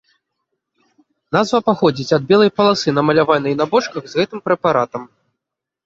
Назва паходзіць ад белай паласы, намаляванай на бочках з гэтым прэпаратам.